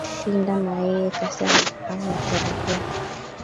shinda na yeye kase amefurahi amefurahia